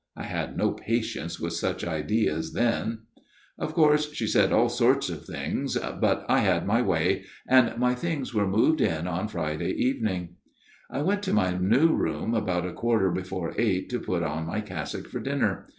I had no patience with such ideas then. FATHER MACCLESFIELD'S TALE 241 " Of course she said all sorts of things, but I had my way ; and my things were moved in on Friday evening. " I went to my new room about a quarter before eight to put on my cassock for dinner.